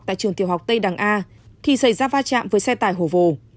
tại trường tiểu học tây đằng a thì xảy ra va chạm với xe tải hồ vồ